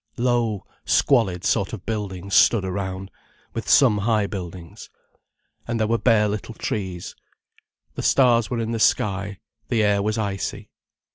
Low, squalid sort of buildings stood around—with some high buildings. And there were bare little trees. The stars were in the sky, the air was icy.